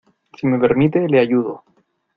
si me permite, le ayudo.